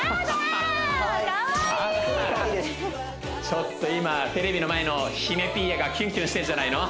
ちょっと今テレビの前の姫ピーヤがキュンキュンしてんじゃないの？